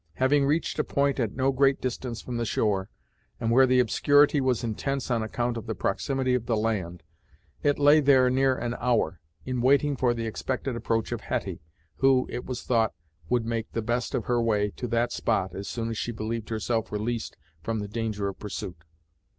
Having reached a point at no great distance from the shore, and where the obscurity was intense on account of the proximity of the land, it lay there near an hour, in waiting for the expected approach of Hetty, who, it was thought, would make the best of her way to that spot as soon as she believed herself released from the danger of pursuit.